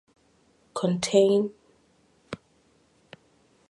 It contains the Horowitz Theatre.